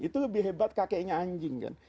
itu lebih hebat kakeknya anjing kan